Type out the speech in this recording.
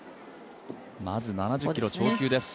まず７０キロ超級です。